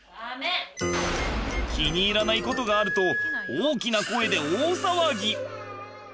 気に入らないことがあると大きな声で大騒ぎ！